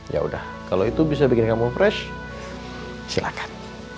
ya udah kalo itu bisa bikin kamu fresh silahkan